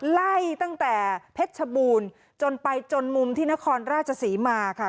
ไล่ตั้งแต่เพชรชบูรณ์จนไปจนมุมที่นครราชศรีมาค่ะ